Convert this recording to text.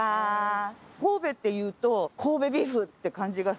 神戸っていうと神戸ビーフって感じがしますよね